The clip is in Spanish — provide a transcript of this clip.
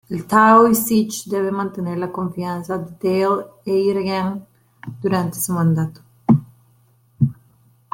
El Taoiseach debe mantener la confianza de la Dáil Éireann durante su mandato.